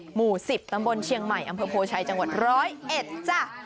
หมู่๑๐ตำบลเชียงใหม่อำเภอโพชัยจังหวัดร้อยเอ็ดจ้ะ